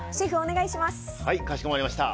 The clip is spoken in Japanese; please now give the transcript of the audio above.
かしこまりました。